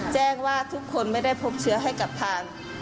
แจ้งว่าทุกคนไม่ได้พบเชื้อให้กับทาง